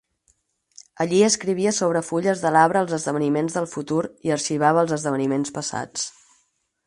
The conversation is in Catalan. Allí escrivia sobre fulles de l'arbre els esdeveniments del futur i arxivava els esdeveniments passats.